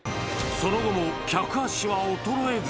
その後も客足は衰えず。